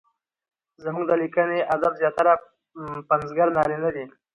زموږ د ليکني ادب زياتره پنځګر نارينه دي؛